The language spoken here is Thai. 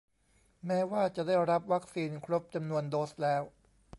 แม้ว่าจะได้รับวัคซีนครบจำนวนโดสแล้ว